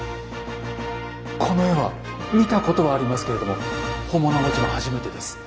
この絵は見たことはありますけれども本物はもちろん初めてです。